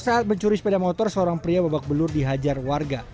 saat mencuri sepeda motor seorang pria babak belur dihajar warga